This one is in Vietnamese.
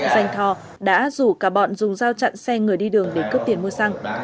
danh thò đã rủ cả bọn dùng dao chặn xe người đi đường để cướp tiền mua xăng